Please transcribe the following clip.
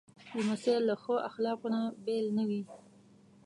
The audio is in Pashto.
لمسی له ښو اخلاقو نه بېل نه وي.